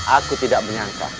aku tidak menyangka